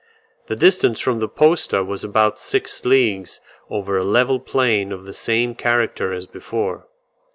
The distance from the posta was about six leagues over a level plain of the same character as before.